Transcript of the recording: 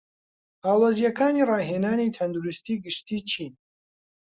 ئاڵۆزیەکانی ڕاهێنانی تەندروستی گشتی چین؟